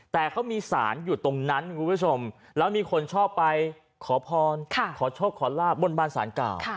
แต่เขามีสารอยู่ตรงนั้นคุณผู้ชมแล้วมีคนชอบไปขอพรขอโชคขอลาบบนบานสารเก่า